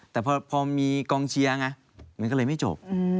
แต่พอมีกองเชียร์ไงมันก็เลยไม่จบ